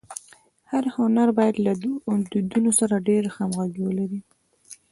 هر هنر باید له دودونو سره ډېره همږغي ولري.